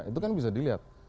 itu kan bisa dilihat